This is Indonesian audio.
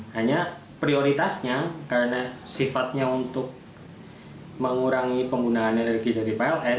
hanya prioritasnya karena sifatnya untuk mengurangi penggunaan energi dari pln